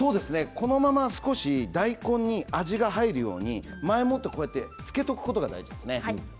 このまま少し大根に味が入るように前もってつけておくことが大事ですね。